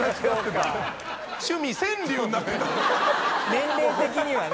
年齢的にはね。